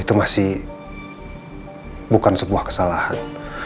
itu masih bukan sebuah kesalahan